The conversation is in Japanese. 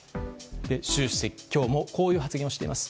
習主席は今日もこういう発言をしています。